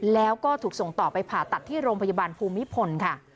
แล้วก็ถูกส่งต่อไปผ่าตัดที่โรงพยาบาลภูมิพลค่ะ